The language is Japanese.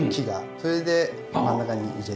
それで真ん中に入れて。